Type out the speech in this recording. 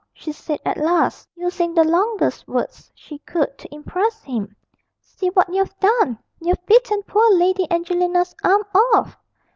she said at last, using the longest words she could to impress him. 'See what you've done! you've bitten poor Lady Angelina's arm off.'